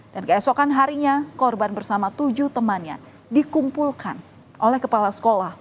dan keesokan harinya korban bersama tujuh temannya dikumpulkan oleh kepala sekolah